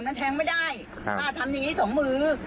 มันแทงไม่ได้ครับป้าทำอย่างงี้สองมืออืม